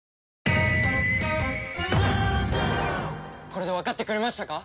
これでわかってくれましたか？